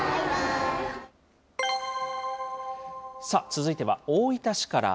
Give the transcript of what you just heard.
続いては大分市から。